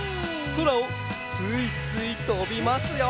そらをすいすいとびますよ！